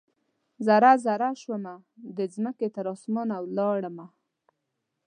ذره ، ذره شومه د مځکې، تراسمان ولاړمه